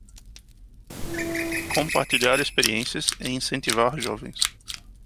Compartilhar experiências e incentivar jovens